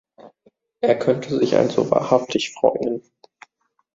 Er könnte sich also wahrhaftig freuen.